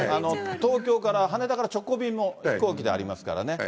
東京から、羽田から直行便も飛行機でありますからね。